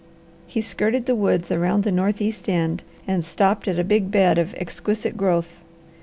He skirted the woods around the northeast end and stopped at a big bed of exquisite growth.